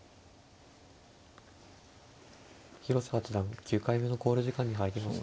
広瀬八段９回目の考慮時間に入りました。